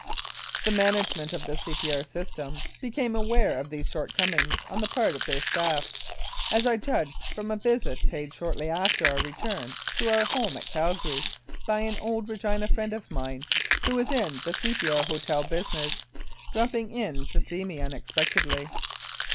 The management of the C. P. R. system became aware of these shortcomings on the part of their staff, as I judged from a visit paid shortly after our return to our home at Calgary by an old Regina friend of mine, who was in the C.P.R. hotel business, dropping in to see me unexpectedly.